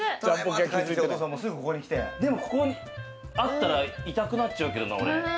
でもここあったらいたくなっちゃうけれどな、俺。